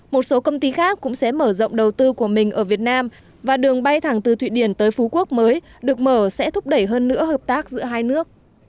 một số công ty khác cũng sẽ mở rộng đầu tư của mình ở việt nam và đường bay thẳng từ thụy điển tới phú quốc mới được mở sẽ thúc đẩy hơn nữa hợp tác giữa hai nước